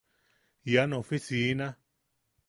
Ian ofisina...